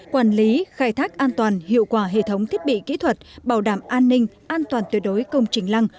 quản lý khai thác an toàn hiệu quả hệ thống thiết bị kỹ thuật bảo đảm an ninh an toàn tuyệt đối công trình lăng